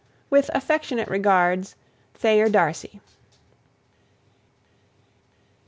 With affectionate regards, THAYER DARCY.